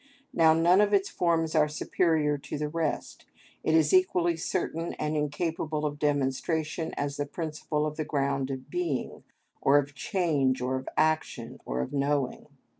Now, none of its forms are superior to the rest; it is equally certain and incapable of demonstration as the principle of the ground of being, or of change, or of action, or of knowing.